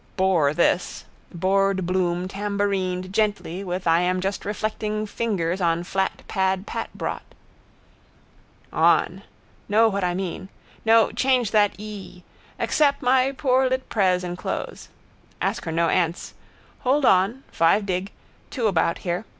Bore this. Bored Bloom tambourined gently with I am just reflecting fingers on flat pad Pat brought. On. Know what I mean. No, change that ee. Accep my poor litt pres enclos. Ask her no answ. Hold on. Five Dig. Two about here.